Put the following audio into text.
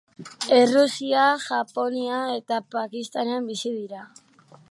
Errusia, Japonia eta Pakistanen bizi dira.